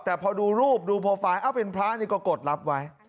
แต่พอดูรูปดูโปรไฟล์เป็นพระนี่ก็กดรับไว้